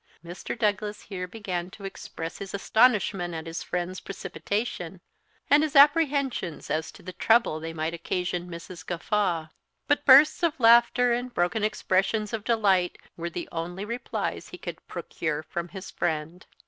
Mr. Douglas here began to express his astonishment at his friend's precipitation, and his apprehensions as to the trouble they might occasion Mrs. Gawffaw; but bursts of laughter and broken expressions of delight were the only replies he could procure from his friend.